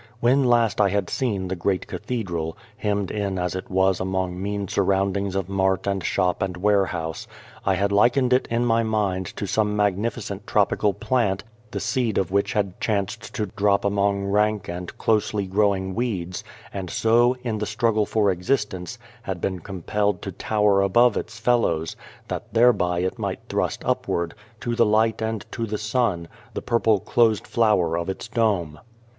When last I had seen the great Cathedral, hemmed in as it was among mean surroundings of mart and shop and warehouse, I had likened it in my mind to some magnifi cent tropical plant, the seed of which had chanced to drop among rank and closely grow ing weeds, and so, in the struggle for existence, had been compelled to tower above its fellows, that thereby it might thrust upward, to the light and to the sun, the purple closed flower of its dome.